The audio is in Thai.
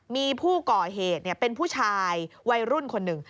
มีผู้ก่อเหตุเป็นผู้ชายวัยรุ่นคนหนึ่ง